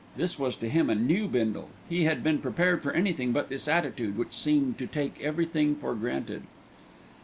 This was to him a new Bindle. He had been prepared for anything but this attitude, which seemed to take everything for granted.